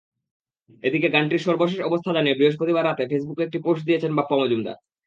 এদিকে গানটির সর্বশেষ অবস্থা জানিয়ে বৃহস্পতিবার রাতে ফেসবুকে একটি পোস্ট দিয়েছেন বাপ্পা মজুমদার।